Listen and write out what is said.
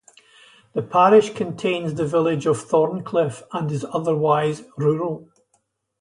The parish contains the village of Thorncliffe and is otherwise rural.